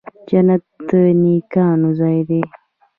جنت د نیکانو ځای دی